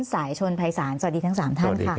สายชนภัยศาลสวัสดีทั้ง๓ท่านค่ะ